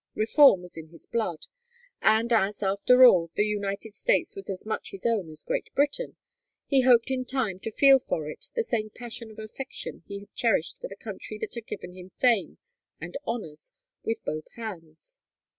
Reform was in his blood, and as, after all, the United States was as much his own as Great Britain, he hoped in time to feel for it the same passion of affection he had cherished for the country that had given him fame and honors with both hands.